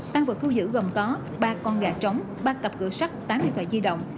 tăng vật thu giữ gồm có ba con gà trống ba cặp cửa sắt tám điện thoại di động